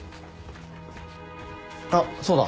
あっそうだ。